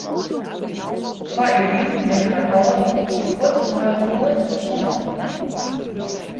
Twa jier lyn binne har âlden fuort nei inoar stoarn.